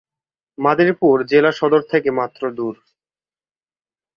মাদারীপুর জেলা সদর থেকে মাত্র দূর।